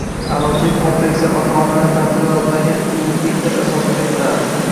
Aʼlochilik kompleksi ota-onalar taʼsiri va muayyan ruhiy intilish asosida shakllanadi.